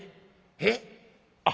「えっ？